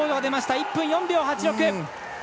１分４秒８６。